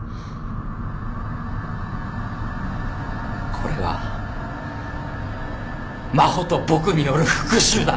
これは真帆と僕による復讐だ！